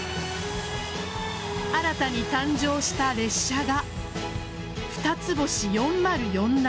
新たに誕生した列車がふたつ星４０４７。